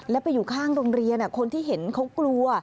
แล้วไปอยู่ข้างโรงเรียนคนที่เห็นเขากลัว